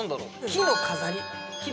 木の飾り？何？